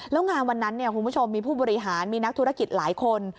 แล้วงานวันนั้นคุณผู้ชมมีผู้บริหารมีนักธุรกิจหลายคน